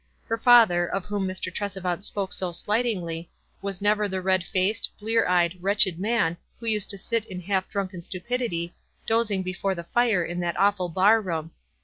Her father, of whom Mr. Tresevant spoke so slightingly, was never the red faced, blear eyed, wretched man who used to sit in half drunken stupidity, dozing before the fire in that awful bar room.